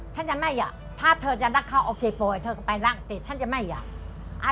ฉันจะไม่อยากถ้าเธอจะรักเขาโอเคปล่อยเธอก็ไปร่างแต่ฉันจะไม่อยาก